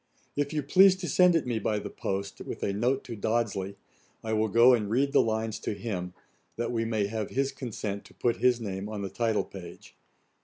If you please to send it me by the post, with a note to Dodsley, I will go and read the lines to him, that we may have his consent to put his name in the title page.